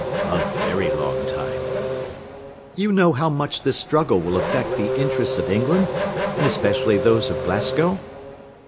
"A very long time." "You know how much this struggle will affect the interests of England, and especially those of Glasgow?"